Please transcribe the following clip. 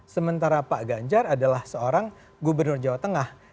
sementara pak ganjar adalah seorang gubernur jawa tengah